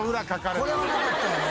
これはなかったやろ？